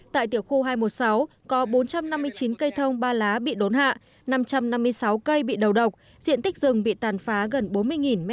tại tiểu khu hai trăm một mươi sáu có bốn trăm năm mươi chín cây thông ba lá bị đốn hạ năm trăm năm mươi sáu cây bị đầu độc diện tích rừng bị tàn phá gần bốn mươi m hai